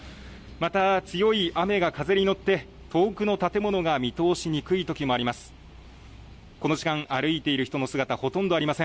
また強い雨が風に乗って遠くの建物が見通しにくいときもあります。